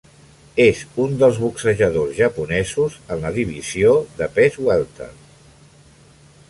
És un dels boxejadors japonesos en la divisió de pes wèlter.